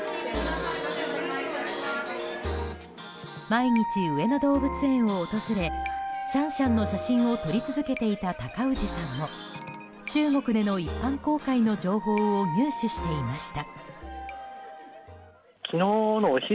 毎日、上野動物園を訪れシャンシャンの写真を撮り続けていた高氏さんも中国での一般公開の情報を入手していました。